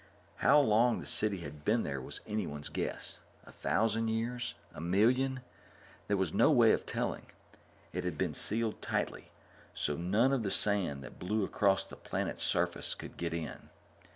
How long the city had been there was anyone's guess. A thousand years? A million? There was no way of telling. It had been sealed tightly, so none of the sand that blew across the planet's surface could get in.